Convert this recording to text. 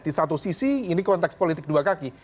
di satu sisi ini konteks politik dua kaki